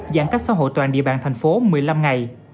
giãn cách xã hội toàn địa bàn thành phố một mươi năm ngày